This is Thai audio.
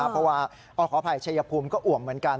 เพราะว่าขออภัยชัยภูมิก็อ่วมเหมือนกัน